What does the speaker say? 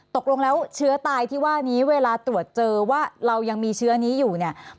ตกลงแล้วเชื้อตายที่ว่านี้เวลาตรวจเจอว่าเรายังมีเชื้อนี้อยู่เนี่ย